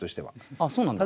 あっそうなんだ。